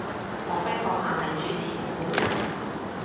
莫非閣下係主持人本人？